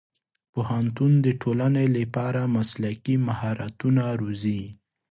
پوهنتون د ټولنې لپاره مسلکي مهارتونه روزي.